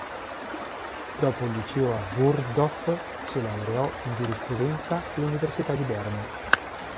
Dopo il liceo a Burgdorf si laureò in giurisprudenza all'Università di Berna.